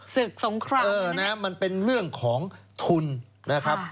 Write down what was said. สงครามมันเป็นเรื่องของทุนนะครับ